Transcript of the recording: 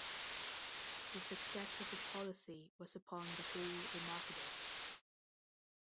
The success of his policy was upon the whole remarkable.